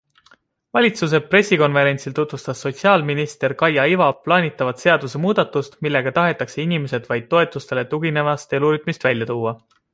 Valitsuse pressikonverentsil tutvustas sotsiaalkaitseminister Kaia Iva plaanitavat seaduse muudatust, millega tahetakse inimesed vaid toetustele tuginevast elurütmist välja tuua.